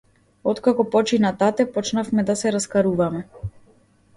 Откако почина тате, почнавме да се раскаруваме.